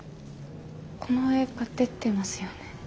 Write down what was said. この映画出てますよね？